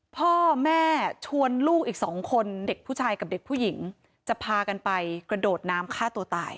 พ่อแม่ชวนลูกอีกสองคนเด็กผู้ชายกับเด็กผู้หญิงจะพากันไปกระโดดน้ำฆ่าตัวตาย